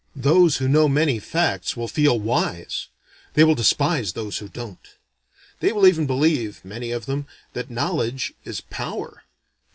Those who know many facts will feel wise! They will despise those who don't. They will even believe, many of them, that knowledge is power.